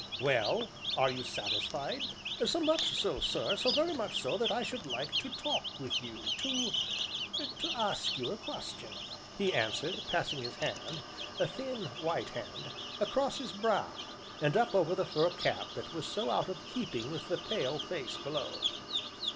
"Well, are you satisfied?" "So much so, sir, so very much so, that I should like to talk with you, to to ask you a question," he answered, passing his hand a thin, white hand across his brow, and up over the fur cap that was so out of keeping with the pale face below.